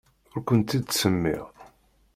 Ur ken-id-ttsemmiɣ.